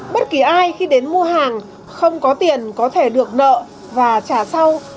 bất kỳ ai khi đến mua hàng không có tiền có thể được nợ và trả sau